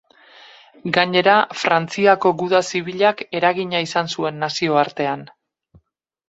Gainera, Frantziako guda zibilak eragina izan zuen nazioartean.